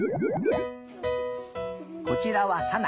こちらはさな。